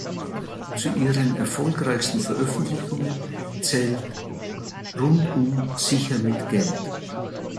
Zu ihren erfolgreichsten Veröffentlichungen zählt "Rundum sicher mit Geld".